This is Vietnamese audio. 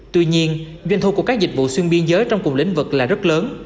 tuy nhiên doanh thu của các dịch vụ xuyên biên giới trong cùng lĩnh vực là rất lớn